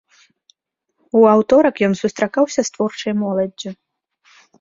У аўторак ён сустракаўся з творчай моладдзю.